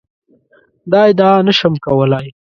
دا ادعا نه شم کولای.